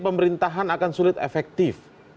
pemerintahan akan sulit efektif